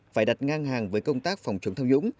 phải đặt ngang hàng với công tác phòng chống tham nhũng